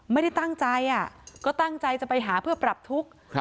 ไม่ได้ตั้งใจก็ตั้งใจจะไปหาเพื่อปรับทุกข์